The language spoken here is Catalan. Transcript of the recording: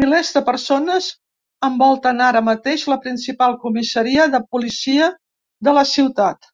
Milers de persones envolten ara mateix la principal comissaria de policia de la ciutat.